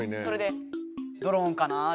それでドローンかな。